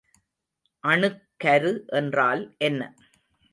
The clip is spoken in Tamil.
அணுக்கரு என்றால் என்ன?